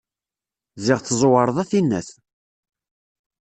Ziɣ tẓẓewreḍ a tinnat.